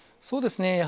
そうですね。